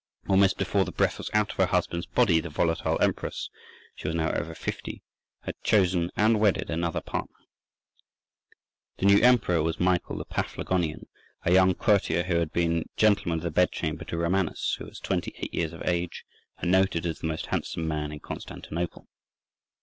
Almost before the breath was out of her husband's body, the volatile empress—she was now over fifty—had chosen and wedded another partner. The new emperor was Michael the Paphlagonian, a young courtier who had been Gentleman of the Bedchamber to Romanus: he was twenty eight years of age and noted as the most handsome man in Constantinople.